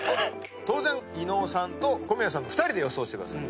当然伊野尾さんと小宮さんの２人で予想してください。